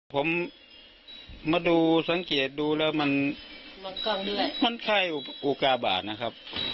ผมมาดูสังเกตดูแล้วมันมันกล้องด้วยมันคล้ายอุปกรณ์บาทนะครับ